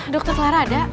dokter clara ada